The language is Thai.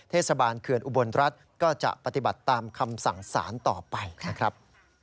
เทศบาลเขื่อนอุบลรัฐก็จะปฏิบัติตามคำสั่งสารต่อไปนะครับ